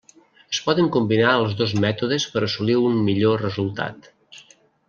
Es poden combinar els dos mètodes per assolir un millor resultat.